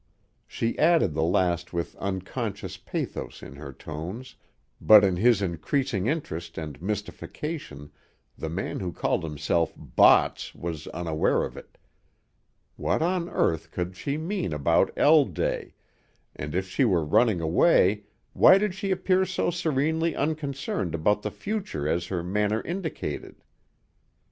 She added the last with unconscious pathos in her tones, but in his increasing interest and mystification the man who called himself "Botts" was unaware of it. What on earth could she mean about L day, and if she were running away why did she appear so serenely unconcerned about the future as her manner indicated?